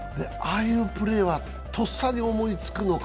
ああいうプレーはとっさに思いつくのか